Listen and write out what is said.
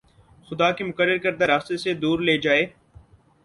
خدا کے مقرر کردہ راستے سے دور لے جائے